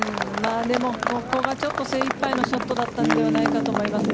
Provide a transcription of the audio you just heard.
でもここが精いっぱいのショットだったんではないかと思います。